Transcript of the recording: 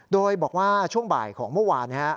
โดยบอกว่าช่วงบ่ายของเมื่อวาน